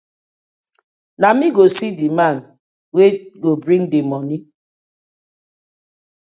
Na mi go see the man dey to bting dii moni.